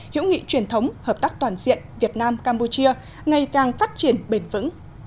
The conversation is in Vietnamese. hiểu nghị truyền thống hợp tác toàn diện việt nam campuchia ngày càng phát triển bền vững